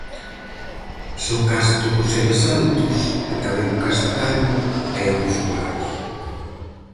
Son case todos eles altos, de cabelo castaño e ollos claros...